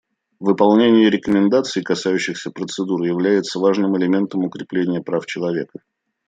Выполнение рекомендаций, касающихся процедур, является важным элементом укрепления прав человека.